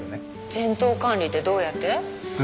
全頭管理ってどうやって？